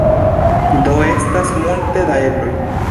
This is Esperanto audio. Do estas multe da ebloj.